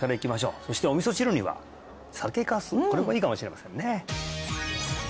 そしてお味噌汁には酒粕これもいいかもしれませんね